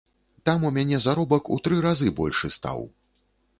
Там у мяне заробак у тры разы большы стаў.